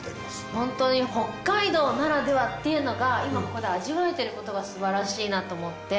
ホントに北海道ならではっていうのが今ここで味わえてることがすばらしいなと思って。